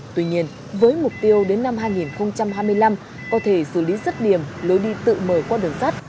tuy nhiên với mục tiêu đến năm hai nghìn hai mươi năm có thể xử lý rứt điểm lối đi tự mở qua đường sắt